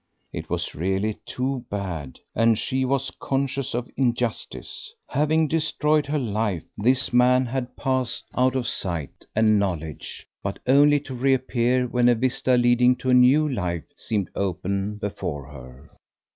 It was really too bad, and she was conscious of injustice. Having destroyed her life, this man had passed out of sight and knowledge, but only to reappear when a vista leading to a new life seemed open before her.